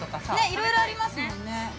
◆いろいろありますもんね。